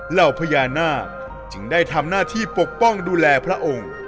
เหล่าพญานาคจึงได้ทำหน้าที่ปกป้องดูแลพระองค์